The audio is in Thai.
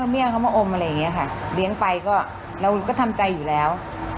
เมียเขามาอมอะไรอย่างนี้ค่ะเลี้ยงไปก็เราก็ทำใจอยู่แล้ว